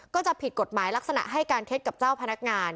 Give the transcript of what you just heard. ก็จะผิดกฎหมายลักษณะให้การเท็จกับเจ้าพนักงาน